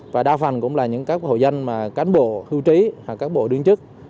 và đa phần cũng là những các hội dân cán bộ hưu trí cán bộ đương chức